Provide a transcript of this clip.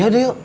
ya udah yuk